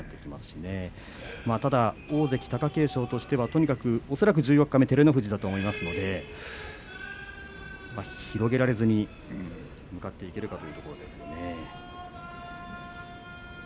ただ、大関貴景勝としては恐らく十四日目照ノ富士だと思いますので差を広げられずに向かっていけるかどうか。